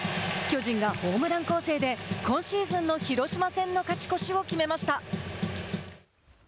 巨人がホームラン攻勢で今シーズンの広島戦の勝ち越しを決めました。